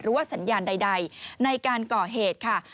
ว่าสัญญาณใดในการก่อเหตุค่ะ